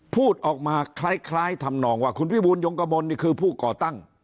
พูดออกมาคล้ายทำนองว่าคุณวิบูรยงกระมนนี่คือผู้ก่อตั้ง